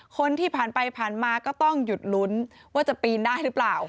คนที่ผ่านไปผ่านมาก็ต้องหยุดลุ้นว่าจะปีนได้หรือเปล่า